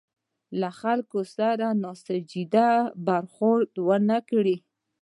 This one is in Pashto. له خلکو سره ناسنجیده برخورد ونه کړي.